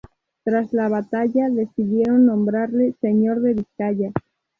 Tras la batalla, decidieron nombrarle Señor de Vizcaya.